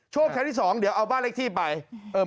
โชคแค่ที่สองเดี๋ยวเอาบ้านเลขที่ไป